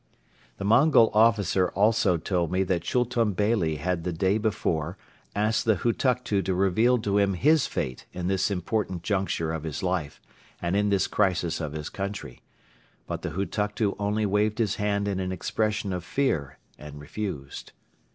The Mongol officer also told me that Chultun Beyli had the day before asked the Hutuktu to reveal to him his fate in this important juncture of his life and in this crisis of his country but the Hutuktu only waved his hand in an expression of fear and refused.